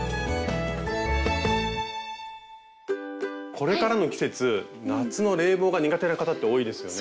これからの季節夏の冷房が苦手な方って多いですよね。